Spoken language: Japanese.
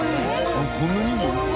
こんなにも？